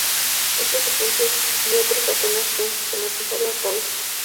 Estos ejemplos y otros apenas se han sistematizado hasta hoy.